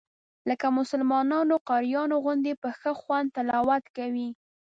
لکه مسلمانانو قاریانو غوندې په ښه خوند تلاوت کوي.